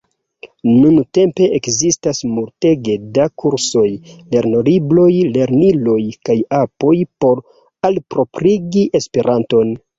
Nuntempe ekzistas multege da kursoj, lernolibroj, lerniloj kaj apoj por alproprigi Esperanton.